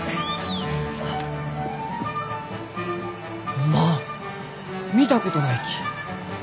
おまん見たことないき。